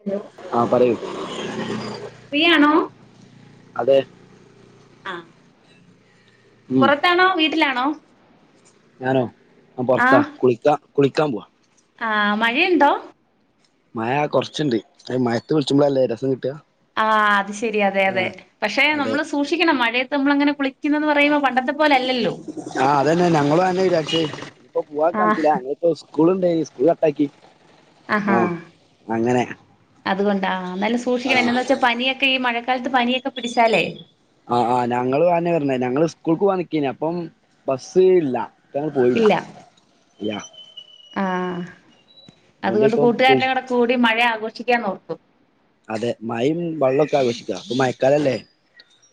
Hello ആ പറയൂ ഫ്രീയാണോ അതെ ആഹ് ഉം പുറത്താണോ വീട്ടിലാണോ? ഞാനോ ആ പൊറത്താ കുളിക്കാ കുളിക്കാൻ പോവാ ആഹ് മഴയുണ്ടോ മഴ കുറച്ചുണ്ട് അ മഴത്ത് കുളിച്ചുമ്പോളല്ലേ രസം കിട്ടാ ആ അത് ശെ ശരി അതെ ആ അതെ പക്ഷെ നമ്മള് സൂക്ഷിക്കണം മഴയത് നമ്മളങ്ങനെ കുളിക്കുന്നന്ന് പറയുമ്പോ പണ്ടത്തെ പോലെ അല്ലല്ലോ ആഹ് അതന്നെ ഞങ്ങളു അങ്ങനെന്നെ വിചാരിച്ചേ ഇപ്പൊ പോവാ ആഹ് കാണിച്ചില്ല ഞങ്ങളിപ്പ ഉസ് സ്കൂൾണ്ടെ സ്കൂള് കട്ടാക്കി ആഹാ ആ അങ്ങനെ അതുകൊണ്ടാ ആ നല്ല ആ സൂക്ഷിക്കണം എന്നാന്ന് വെച്ചാ പനിയൊക്കെ ഈ മഴക് ക്കാലത്ത് പനിയൊക്കെ പിടിച്ചാലേ ആഹ് ആ ഞങ്ങളും ആന്നെയാ പറഞ്ഞെ ഞങ്ങള് ഉസ്കൂൾക്ക് പോവാൻ നിക്കേന്നി അപ്പം ബസ് ഇല്ല [unintelligible] പോയില്ല ഇല്ലാ ആ അതുകൊണ്ട് ഇപ്പം കുളി കൂട്ടുകാരനെ കൂടെ കൂടി മഴ ആഘോഷിക്ക ഇക്ക ആന്ന് ഓർത്തു അതെ മഴേം വെള്ളമൊക്കെ ആഘോഷിക്കാ ഇപ്പം മഴക്കാലം അല്ലേ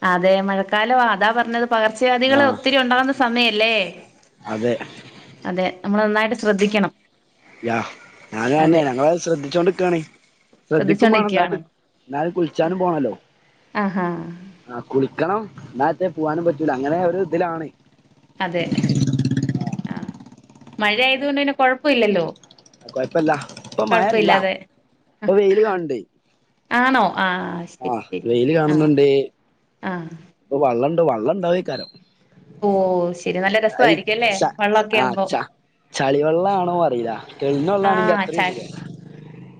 അതെ മഴക്കാലം ആ അതാ പറഞ്ഞത് പകർച്ചവ്യാധികൾ ആ ഒത്തിരി ഉണ്ടാകുന്ന സമയല്ലേ അതെ അതെ നമ്മൾ നന്നായിട്ട് ശ്രദ്ധിക്കണം ഞാന തന്നേ അതെ ഞങ്ങളത് ശ്രദ്ധിച്ചോണ്ട്രിക്കണേ ശ്രദ്ധിക്കുമ വണം എന്നട്ട ശ്രദ്ധിച്ചോണ്ടിരിക്കയാണ് എന്ന കുളിച്ചാനും പോണല്ലോ ആഹാ ആ കുളിക്കണം എന്നാൽ അകത്ത് പോകാനും പറ്റൂല അങ്ങനെ ഒരു ഇതിലാണ് അതെ ആ മഴ ആയതുകൊണ്ട് കൊഴപ്പമില്ലല്ലോ കൊഴപ്പല്ല ഇപ്പൊ മഴയില്ല ഇപ്പ വെയില് കാണുന്നുണ്ട് ആണോ ആഹ് ശരി ആഹ് ശരി വെയില് ആഹ് കാണുന്നുണ്ട് ആഹ് ഇപ്പൊ വള്ളം വള്ളമുണ്ടായെക്കാരം ഓ ശരി നല്ല അ രസമായിരിക്കും അല്ലേ ച വെള്ളമൊക്കെ ആ ആവുമ്പോ ച ചെളി വെള്ളം ആണോ അറിയില്ല തെളിഞ്ഞ വെള്ളം ആണെങ്കിൽ ആഹ് അത്രയും ചാൽ സുഖം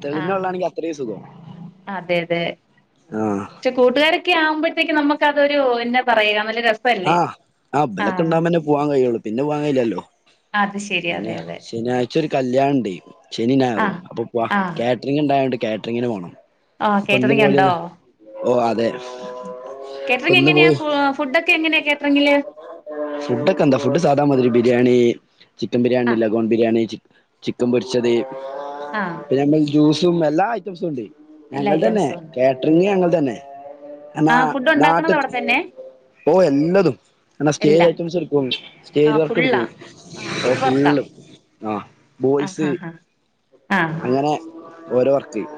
തെളിഞ്ഞ ആഹ് വള്ളാണെങ്കിൽ അത്രയും സുഖം അതെ അതെ ആ പക്ഷെ കൂട്ടുകാരൊക്കെ ആവുമ്പോൾ ഒറ്റയ്ക്ക് നമുക്ക് അതൊരു എന്നാ പറയാ വല്ല ആഹ ഇബാലൊക്കെ ഉണ്ടാവുമ്പോന്നെ പോവാൻ കഴിയുള്ളു പിന്നെ പോവാൻ കഴയില്ലല്ലോ അത് ശരി അതെ പിന്നെ അതെ ശനിയാഴ്ച ഒരു കല്യാണം ഉണ്ട് ശനി ഞായറും ആഹ് അപ്പൊ കാറ്ററിംഗ് ഉണ്ടായതുകൊണ്ട് കാറ്ററിങ്ങിന് പോകണം ആ കേറ്ററിങ് ഉണ്ടോ അതെ ഇപ്പ കേറ്ററിംഗ് ഇന്ന് എങ്ങനെയാ ഫുഡ് ഒക്കെ എങ്ങനെയാ [unintelligible] ഫുഡ് ഒക്കെ എന്താ ഫുഡ് സാദാ മാതിരി ബിരിയാണി ചിക്കൻ ബിയാണി ആഹ് ലഗോൺ ബിരിയാണി ചിക്കൻ പൊരിച്ചത് ആഹ് [unintelligible] ജ്യൂസും എല്ലാ ഐറ്റംസും ഉണ്ട് എല്ലാ ഞങ്ങൾ തന്നെ ഐറ്റംസും ഉണ്ട് കേറ്ററിംഗ് ഞങ്ങൾതന്നെ ആഹ് ഫുഡ് നാട്തെ ഉണ്ടാക്കണത് അവിടെ തന്നെ ഓ എല്ലതും എന്ന സ്റ്റേജ് എല്ല ഐറ്റംസ് എടുക്കും ആ സ്റ്റേജ് വർക്ക് ഫുള്ളാ എടുക്കും ആ ഫുൾ വർക്കാ ഫും ആ ആ ബോയ്സ് ഹാ ഹാ ആ അങ്ങനെ ഓരോ വർക്ക് [inaudible]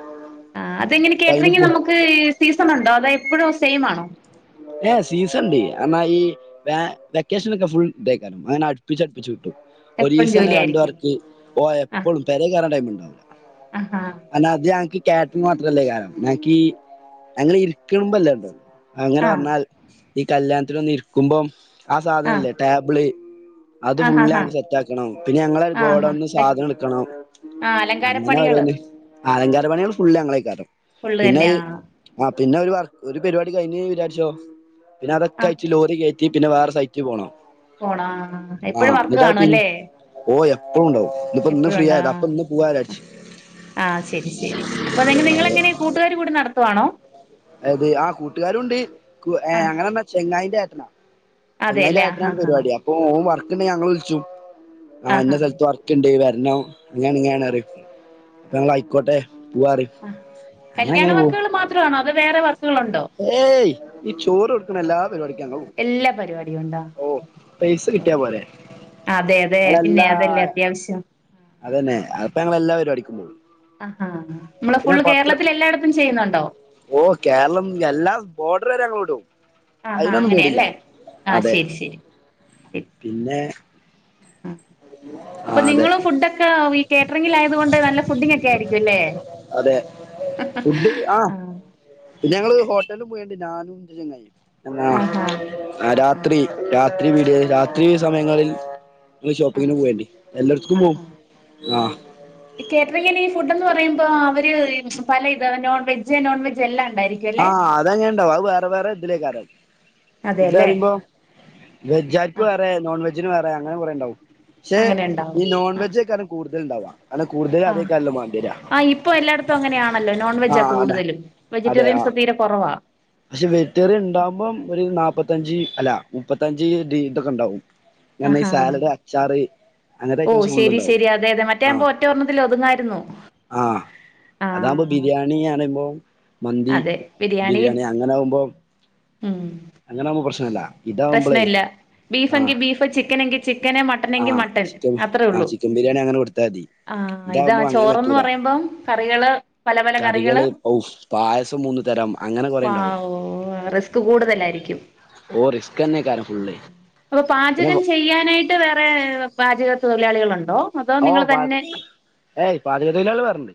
ആ അതെങ്ങനെ അപ്പൊ കേറ്ററിംഗ് അയിന് നമുക്ക് സീസൺ ഉണ്ടോ അതായത് എപ്പോഴും സെയിം ആണോ ഏഹ സീസൺ ഉണ്ട് എന്നാ ഈ വ വെക്കേഷൻ ഒക്കെ ഫുൾ ഇതെക്കാരം അങ്ങനെ അടുപ്പിച്ച് അടുപ്പിച്ചു എപ്പഴും ഒരീസംന്നെ ജോലി രണ്ടു ആയിരിക്കും വർക്ക് ഓ ആ എപ്പോഴും പേരെകയറാൻടൈമ ഉണ്ടാവൽ ഇല്ല ആ ഹാ ഐന അത് ഞങ്ങക്ക് [unintelligible] മോട്ടറല്ലയ്ക്കാരം ഞങ്ങക്കീ ഞങ്ങള് ഇരിക്കുമ്പ ആ [unintelligible] നാൽ ഈ കല്യാണത്തിനൊന്ന് ഇരിക്കുമ്പം ആ സാധനല്ലേ ടാബിള് അത് ആ ഹാ ഫുള്ള് ഹാ [unintelligible] സെറ്റ് ആക്കണം, പിന്നെ ഞങ്ങളെ ആ ഹാ ഗോഡൗണ്ന്ന് ഡെ സാധനം ഇട്ക്കണം, ആ അങ്ങനെ അലങ്കാരപ്പണികള് ഓരോന്ന് [unintelligible] ട് പണ്യോള് ഫുള്ള് ഞങ്ങളേയ്‌ക്കാരം. ഫുള്ള് തന്നെയാ പിന്നെ ഒരു വർ ഒരു പരിവാടി കഴിഞ് [unintelligible] ച്ചോ ആ പിന്നതൊക്കായിട്ട് ലോറി കേ റ്റി പിന്നെ വേറെ സൈറ്റ് പോണം. പോണോ എപ്പഴും ആഹ് വർക്ക് എന്നിട്ടാ കാണും പിന്നെ അല്ലേ? ഓ എപ്പഴും ഉണ്ടാവും ഇന്നിപ്പോ ഇന്ന് എപ്പഴും ഫ്രീ ഉണ്ടോ ആയതാ അപ്പൊ ഇന്ന് പോവാ വിചാരിച്ച് ആ ശരി ശരി അപ്പൊ നിങ്ങ നിങ്ങൾ എങ്ങനെ കൂട്ടുകാർ കൂടി നട ത്തുവാണോ? അത് ആ കൂട്ടുകാരു ഉണ്ട് കു ഏ ആ അങ്ങനറഞ്ഞാ ചെങ്ങായിൻ്റെ ട്ടനാ ചങ്ങായിൻ്റെ അതെല്ലേ ആ ഹാ ഏട്ടനാണ് ഹാ പരിപാടി അപ്പൊ ഓൻ വർ ക്ക് ന് ഞങ്ങളെ വിളിച്ചു. ആ ആഹ് ഇന്ന ഹാ സ്ഥലത്ത് വർക്ക്ണ്ട് വെ നോ അങ്ങനെയാണ് ഇങ്ങനെയാണ് അറയും, ഓക്കെ ആ ഇപ്പങ്ങള് അയിക്കോട്ടെ പോവാറയും, ആഹ് അങ്ങനെ കല്യാണ അങ്ങനെ പോവും. വർക്കുകൾ മാത്രമാണോ അതോ വേറെ വർക്കുകളുണ്ടോ? ഏയ് ഈ ചോറ് കൊടുക്കണ എല്ലാ പരിപാടി എല്ലാ പരിപാ- പൈസ കിട്ടിയാ പോരെ [unintelligible] അതെ അതെ പിന്നെ ഞങ്ങളെല്ലാ അതല്ലേ അത്യാവശ്യം അതന്നെ അപ്പൊ ഞങ്ങളെല്ലാ പരിപാടിക്കും പോവും. ആഹാ നമ്മള് പിന്നെ ഫുള്ള് പത്ര കേരളത്തില് എല്ലായിടത്തും ചെയ്യുന്നു [unintelligible] ഓ കേരളം എല്ലാ ബോർഡറ് വരെ നമ്മള് വിടും. ആഹാ അയിനൊന്നും പേടില്ല അങ്ങനെയല്ലേ ആഹ് അതെ ശരി ശരി ശരി ശരി പിന്നെ ആ ആ അപ്പൊ അതെ നിങ്ങള് ഫുഡൊക്കെ ഈ കേറ്ററിങ്ങിൽ ആയത് കൊണ്ട് നല്ല ഫുഡിങ്‌ ഒക്കെ ആയിരിക്കും ല്ലേ അതെ ഫുഡ് ആ ആഹ് പിന്നെ ഞങ്ങള് ഹോട്ടലും പോയണ്ട് ഞാനും ഇന്റെ ചെങ്ങായിം ആഹാ ആ ആഹ് രാത്രി രാ വീട് രാത്രി സമയങ്ങളിൽ ഷോപ്പിങ്ങിന് ആഹ് പോയണ്ടി എല്ലോടത്ക്കും പോവും ആഹാ ആ ഇപ്പൊ അവര് പല ഇത നോൺ വെജ് നോൺവെജ് എല്ലാം ഉണ്ടായിരിക്കും അല്ലെ ആഹ് അതാങ്ങന ഉണ്ടാവും അത് വേറെ വേറെ ഇതിലേക്കറ അതെല്ലേ ഫുഡ് വെജ ആക്ക് ആഹ് വേറെ നോൺ വെജിന് വേറെ പെ അങ്ങനെ കൊറേണ്ടാവും ഷേ അങ്ങനെ ഉണ്ടാവും ഈ നോൺ ആഹ് വെജ്ജേക്കാരം കൂടുതൽ ഇണ്ടാവാ ആണ് കൂടുതല് ആഹ് അതേക്കാരലോ വേണ്ടേര ആഹ് ഇപ്പൊ എല്ലായിടത്തും അങ്ങനെയാണല്ലോ നോൺ വെജാ ആഹ് അന്നെ കൂടുതലും വെജിറ്റേറിയൻസ് തീരെ കൊറവാ പക്ഷെ വേജിറ്ററിയൻ ഉണ്ടാവുമ്പം ഒരു നാല്പ്പത്തഞ്ച് അല്ല മുപ്പത്തഞ്ച് ഡി ഇതൊക്കെ ഉണ്ടാവും ഈ ആഹാ സാലഡ് അച്ചാറ് അങ്ങനത്തെ ഓ ഐറ്റംസ് ഫുള്ള് ശരി ഉണ്ടാവും ശരി അതെ അതെ മറ്റേ ആ ആകുമ്പോ ഒറ്റ ഒരെണ്ണത്തിൽ ഒതുങ്ങായിരുന്നു ആ അതാവുമ്പോ ആഹ് ബിരിയാണിയറിയുമ്പോ മന്തി ബിരിയാണി അ ഓമ് ഉം അങ്ങനാവുമ്പോ പ്രശ്നല്ല പ്രശ്നം ഇതാവുമ്പളേ ഇല്ല ബീഫ് ആഹ് എങ്കിൽ ബീഫ് ചിക്കൻ എങ്കി ചിക്കന് മട്ടനെങ്കിൽ ആഹ് മട്ടൻ ചിക്കൻ അത്രയേ ആഹ് ഉള്ളൂ ചിക്കൻ ബിരിയാണി അങ്ങനെ കൊടുത്താ മതി ആ ഇതാ ഇതാവുമ്പോ അങ്ങനെ ചോറന്ന് പറ്റൂല പറയുമ്പം കറികള് പല പല കറികള് ഒ പായസം മൂന്ന് തരം അങ്ങനെ വ കൊറെണ്ടാവും റിസ്ക് കൂടുതലായിരിക്കും ഓ റിസ്ക് തന്നെക്കാരം ഫുള്ള് അപ്പൊ പിന്നെ പാചകം ചെയ്യാനായിട്ട് ട്ട് വേറെ പാചക തൊഴിലാളികളുണ്ടോ അതോ ഓ നിങ്ങൾ പാ തന്നെ ഏയ് പാചക തൊഴിലാളി വേറെണ്ട്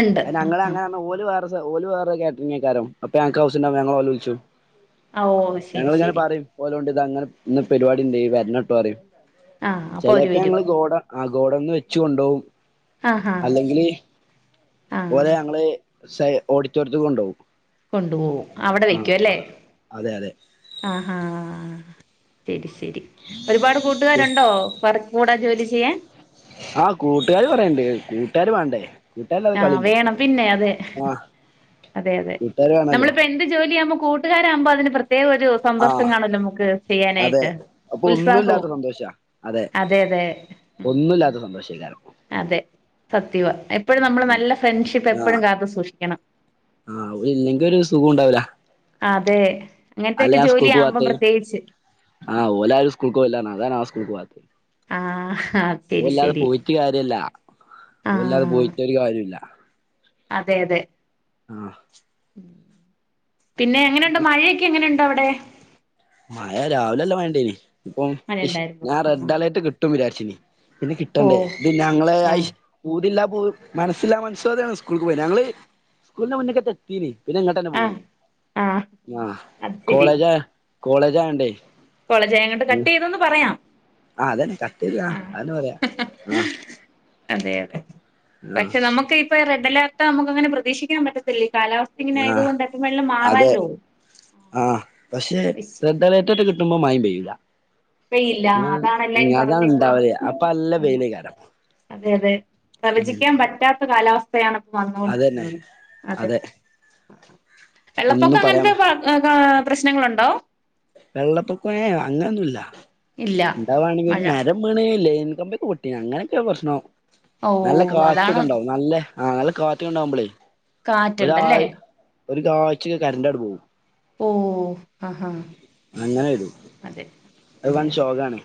ഉണ്ട് അയി ഞങ്ങള് ആഹാ അങ്ങനറഞ്ഞ ഓല് വേറെ സ്ഥ ഓല് വേറെ കാറ്ററിങ്ങേകാരം അപ്പൊ ഞങ്ങക്കാവസ്യണ്ടാവുമ്പോ ഞങ്ങളോലെ വുളുച്ചും ഓ ശരി ഞങ്ങളിങ്ങനെ ശരി പറയും ഓലൊണ്ട് അത് അങ്ങനെ ഇന്ന് പരിപാടി ഉണ്ട വരണുണ്ടെന്ന് പറയും ആഹ് അപ്പൊ അവര് ചിലെപ്പോ വരും ഞങ്ങള് ഗോഡ ഗോഡൗന്നു വെച്ച് കൊണ്ടോകും ആഹാ അല്ലെങ്കില് ആഹ് ഓലെ ഞങ്ങള് സ ഓഡിറ്റോറിയത്ത്ക്ക് കൊണ്ട് പോകും കൊണ്ടു പോകും അവിടെ വയ്ക്കും അല്ലേ അതെ അതെ ആഹ് ആഹ് ശരി ശരി ഒരുപാട് കൂട്ടുകാരുണ്ടോ വർക്ക് കൂടെ ജോലി ചെ ചെയ്യാൻ ആ കൂട്ടുകാര് കൊറേ ഇണ്ട് കൂട്ടുകാര് വേണ്ടേ കൂട്ടുകാരില്ലാതെ ആ കളിണ്ടോ വേണം പിന്നെ അതെ ആ അതെ അതെ കൂട്ടുകാര് വേണല്ലോ നമ്മളിപ്പോ എന്ത് ജോലി ആവുമ്പോ കൂട്ടുകാരാവുമ്പോ അതിന് പ്ര പ്രത്യേക ഒരു ആ സന്തോഷം കാണൂലോ? നമുക്ക് അതെ ചെയ്യാനായിട്ട് അപ്പൊ ഉത്സാഹവും ഒന്നുല്ലാത്ത സന്തോഷാ അതെ അതെ ഒന്നുല്ലാത്ത സന്തോഷേക്കാരം അതെ സത്യവാ എപ്പോഴും നമ്മള് ആ നല്ല ഫ്രണ്ട്ഷിപ്പ് ആ എപ്പോഴും കാത്തു സൂക്ഷിക്കണം ആ ഓലില്ലെങ്കി ഒരു ആഹ് അതെ അങ്ങനത്തെയൊക്കെ അല്ലഞാൻ ജോലി സ്കൂൾക്ക് ആവുമ്പം പോവാത്തേ പ്രത്യേകിച്ച് ആ ഓരാരും സ്കൂൾക്ക്പോവില്ല നാൻ അതാണ് സ്കൂൾക്ക് പോവാത്ത് ആഹ് ഓൻ ശരി ഇല്ലാതെ ശരി പോയിട്ട് കാര്യല്ല ഓൻ ഇല്ലാതെ ആഹ് പോയിട്ടൊരു കാര്യവുംഇല്ല അതെ അതെ ആഹ് പിന്നെ എങ്ങനെണ്ട് മഴയൊക്കെ എങ്ങനെ ഇപ്പ എവ്ടെ? മയ രാവ് ലെ നല്ല മയണ്ടെയ്നി ഇപ്പം മഴയുണ്ടായിരുന്നു ഞാൻ ആഹ് റെഡ് അലേട്ട് കിട്ടും വിചാര് പിന്നെ കിട്ടണ്ടേ ഓഹ് ഇത് ഞങ്ങളെ ആഹ് ഊതില്ല മനസ്സിലാ മനസ്സോടെയാണ് സ്കൂൾക്ക് പോയേന്ന് ഞങ്ങള് സ്കൂളിന്റെ മുന്നിക്ക് എത്തീനി പിന്നെ ഇങ്ങോട്ടന്നെ പോന്ന് ആഹ് ആഹ് ആഹ് അത് കോളേജാ കോളേജായോണ്ടേ കോളേജായേങ്ങാെണ്ട് ഉം കട്ടെയ്തൂന്ന് പറയാം ആഹ് അതന്നെ കട്ടെയ്യാ ആഹ് അതെന്നെ പറയാ ആഹ് അതെ അതെ ആഹ് പക്ഷെ നമുക്ക് ഇ ഇപ്പോ റെഡ് അലേർട്ട് അമുക്ക്ങ്ങനെ പ്രതീഷിക്കാൻ പറ്റത്തില്ലേ ആഹ് അതെ ആഹ് പക്ഷെ വിശ് റെഡ് അലേർട്ടാെക്കെ കിട്ട്മ്പം മയിംമ്പെയ്യും ല്ല മഴയില്ല ഞ്ഞ് അതാണ് ഉം എല്ലാരും അതാണ് പറഞ്ഞെ ഇപ്പൊ ണ്ടാവല് അപ്പ അല്ല അതെ വെയ്ലെയ്ക്കാരം അതെ അതെ പ്രവചിക്കാൻ പറ്റാത്ത കാലാവസ് പ്പയാണ്പ്പ വന്നോണ്ട് അതന്നെ രിക്ക്ന്നത് അതെ വെള്ളപ്പൊക്ക ഒന്നും പറയാൻ അങ്ങനത്തെ [unintelligible] പ്രശ്നങ്ങളുണ്ടോ വെള്ളപ്പൊക്ക ഏ അങ്ങനൊന്നുല്ല ഇല്ല ണ്ടാവാണെങ്കി ഒരു മഴ മരം വീണ് ലെയി ൻ കമ്പിയൊക്കെ പൊട്ടി അങ്ങനെയൊക്കെ പ്രശ്നോ. ഓ നല്ല അതാണ് കാറ്റൊക്കെ ഇണ്ടാവും നല്ല ആഹ് നല്ല കാറ്റ് ഉണ്ടാവുമ്പോളേ. കാറ്റ് ഉണ്ടല്ലേ ഒരു ആഴ്ചക്ക് കറന്റ അങ്ങ് പോവും. ഓ ആഹ് ആഹ് അങ്ങനെ വരും അത് വാൻ അതെ ശോകാണ്.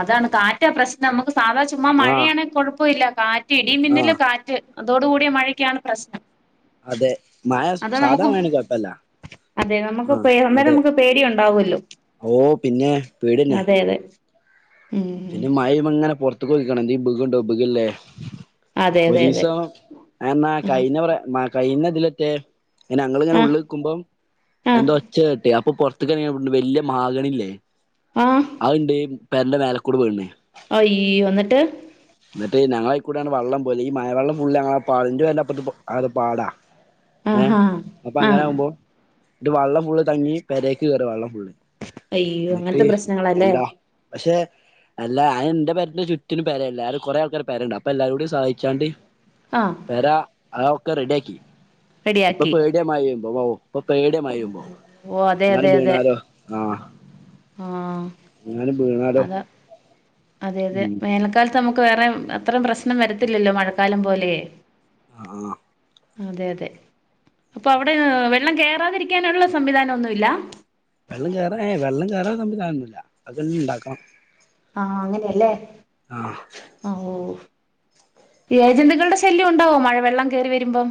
അതാണ് കാറ്റാ പ്രശ്നം നമുക്ക്. സാധാ ചുമ്മാ ആഹ് മഴയാണ് കുഴപ്പല്ല. കാ റ്റി ഇടി ആഹ് മിന്നല് കാറ്റ്. അതോടുകൂടിയ മഴയ്ക്കാണ് പ്രശ്നം. അതെ മഴ അത് സാധാ നമുക്ക് മഴയാണെങ്കിൽ കൊഴപ്പല്ല അതെ നമുക്ക് ആഹ് പേ- അന്നേരം അതെ നമുക്ക് പേടി ഉണ്ടാവുമല്ലോ ഓ പിന്നെ പേടി തന്നെ. അതെ അതെ ഉം പിന്നെ മഴയും ഇങ്ങനെ പൊറു ത്ത് പോക്കാണെങ്കിൽ. [unintelligible] അതെ അതെ അതെ ഒരുദിവസം എന്നാ ആഹ് കയിഞ്ഞ പ്ര മഴക്ക്. കഴിഞ്ഞ കൊല്ലത്തെ. ഇങ്ങനെ ഞങ്ങള് ഇങ്ങനെ ആഹ് ഉള്ളിൽക്കുമ്പോ ആഹ് എന്താ ഒച്ച കേട്ടെ. പ്പൊ പുറത്തുക്കറങ്ങിയപ്പ ണ്ട് വലിയ മഹാഗണില്ലേ? ആഹ് അതുണ്ട് പേരന്റെ മേല കുടെ [unintelligible] ആയ്യോ ന്നിട്ട്? കൂടാണ് വെള്ളം പോല് ഈ മഴവെള്ളം ഫുള്ള് ഞങ്ങളെ [unintelligible] ആഹാ ആ ട്ട് വള്ളം ഫുള്ള് തങ്ങി പെരേക്ക് കേറ വെള്ളം. അയ്യോ എന്നിട്ട് അങ്ങനത്തെ പ്രശ്നങ്ങളല്ലേ? അല്ല പക്ഷെ അല്ല അ എന്റെ പേരന്റെ ചുറ്റിനും പരല്ല ആ കുറേ ആൾക്കാരുടെ പരുണ്ട്. അപ്പൊ എല്ലാരും കൂടി സഹായിച്ചാണ്ട് ആഹ് പരാ ആ ക റെഡ്യാക്കി ഇപ്പൊ റെഡിയാക്കി പേടിയ മയ പെയ്യുമ്പൊ ഇപ്പൊ പേട്യമയ്യുമ്പോ ങ്ങാനും വീണാലോ ആ ആ വീണാലോ അത അതെ അതെ ഉം മേനക്കാൽ നമുക്ക് വേറെ അത്രയും പ്രശ്നം വരത്തില്ലല്ലോ മഴക്കാലം പോലെ ആ അതെ അതെ. അപ്പൊ അവിടെ വെള്ളം കേറാതിരിക്കാനൊള്ള സംവിധാനം ഒന്നുല്ല വെള്ളം കേറാൻ ഏ വെള്ളം കേറാ സംവിധാനംന്നുല്ല അതെല്നിണ്ടാക്കണം. ആഹ അങ്ങനെയല്ലേ ഓ ഏജന്റുകളുടെ ശല്യം ഉണ്ടാവോ മഴ വെള്ളം കേറി വരുമ്പം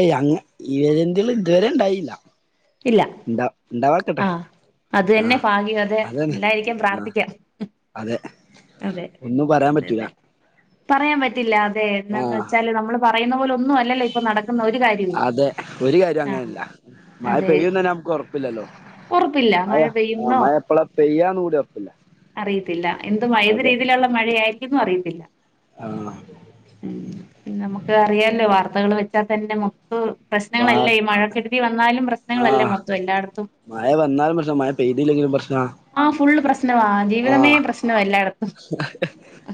ഏയ് അങ്ങ് ഇഴജന്ത്ള് ഇതുവരെ ഇണ്ടായില്ല ഇല്ല. ഇണ്ടാ ആ. ഇണ്ടാവാക്കട്ടെ അത് തന്നെ ആഹ് ഭാഗ്യവാതെ അതന്നെ ഇല്ലായിരിക്കാ ആഹ് പ്രാർത്ഥിക്ക്യ. അതെ അതെ ഒന്നും പറയാൻ പറ്റൂല അതതെ പറയാൻ പറ്റില്ല അ അതെ എന്താന്ന് ആഹ് വെച്ചാല് നമ്മള് പറയുന്ന പോലെ ഒന്നും അല്ലല്ലോ ഇപ്പൊ നടക്കുന്ന ഒരു കാര്യവും ആ മയ പെയ്യുന്ന തന്നെ നമുക്ക് ഉറപ്പില്ലല്ലോ ഉറപ്പില്ല മയ മഴ പെയ്യുന്നോ മയ എപ്പയ ചെയ്യാ [unintelligible] അറിയത്തില്ല എന്തുമ ഏത് രീതിയിലുള്ള മഴയായി ന്നും അറിയത്തില്ല ആഹ് ഉം നമുക്ക് അറിയാലോ വാർത്ത [unintelligible] തന്നെ [inaudible] വാർ പ്രശ്നങ്ങളല്ലേ ഈ മഴക്കെടുതി വന്നാലും പ്രശ്നങ്ങളല്ലേ ആഹ് മൊത്തം എല്ലായിടത്തും മഴ വന്നാലും പ്രശ്ന മഴ പെയ്തില്ലെങ്കിലും പ്രശ്ന ആ ഫുൾ പ്രശ്ന പ്രശ്നവാ ജീവിതമേ ആഹ് പ്രശ്നവ എല്ലാടത്തും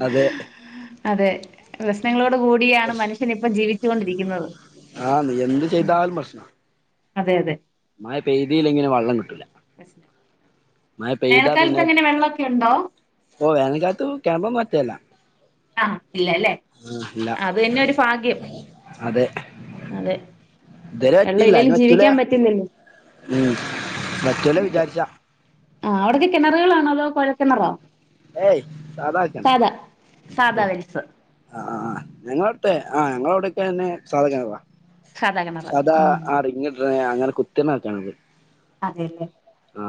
അതെ അതെ പ്രശ്നങ്ങള ളോട് കൂടിയാണ് മനുഷ്യൻ ഇപ്പം ജീവിച്ചുകൊണ്ടിരിക്കുന്നത് ആഹ് നീ എന്ത് അതെതെ മയ പെയ്തീലങ്കില് വള്ളം കിട്ടൂല പ്രശ്നം. മയ പെയ്താ പിന്നെ വേനൽക്കാലത്ത് എങ്ങനെ വെള്ളമൊക്കെ ഉണ്ടോ ഓ വേനൽക്കാത്തു കെണൊ വറ്റല്ല ആ ഇല്ലല്ലേ അത് തന്നെ ഒരു ഭാഗ്യം അതെ ഇത്വരെ വെള്ളം വറ്റീല്ല ഇല്ലേലും ഇന് വറ്റൂല ജീവിക്കാൻ പറ്റില്ലല്ലോ ഉം വറ്റൂല വിചാരിച്ചാ ആ അവിടൊക്കെ കിണറുകളാണോ അതോ കൊഴൽക്കിണറൊ ഏയ് സാധാക്കിണർ ഓ സാധാ വെൽസ് ആ ആ ആ ഞങ്ങളടുത്തെ ആ ഞങ്ങളവിടെ തന്നെ സാധക്കിണറാ സാധാ കിണറാ സാധാ ഉം ആ റിങ്ങിടുന്നെ അങ്ങനെ [unintelligible] അതേല്ലെ ആ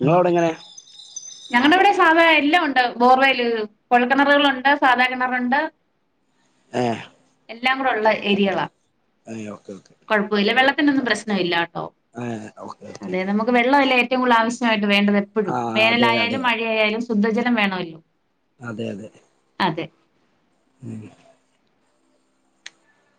നിങ്ങടവിടെങ്ങനെ? ഞങ്ങളുടെ ഇവിടെ സാധാ എല്ലാം ഉണ്ട് ബോർവെൽ കൊഴൽക്കിണറുകളുണ്ട് സാധാ കിണറുണ്ട്. ഏ എല്ലാം കൂടെ ഉള്ള ഏരിയകളാ ആയി ഓക്കെ ഓക്കെ ത്തിനൊന്നും പ്രശ്നമില്ല ട്ടോ ഏഹ് ഓക്കെ ഓക്കെ അതെ നമുക്ക് വെള്ളം അല്ലേ ഏറ്റവും കൂടുതൽ ആവശ്യ വേണ്ടത് എപ്പഴും ആഹ് അതെ അതെ ലായാലും മഴയായാലും ശുദ്ധജലം വേണമല്ലോ അതെ അതെ അതെ ഉം